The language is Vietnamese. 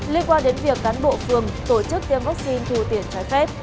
liên quan đến việc cán bộ phường tổ chức tiêm vaccine thu tiền trái phép